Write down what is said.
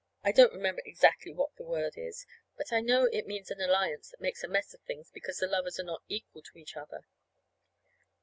(I don't remember exactly what that word is; but I know it means an alliance that makes a mess of things because the lovers are not equal to each other.)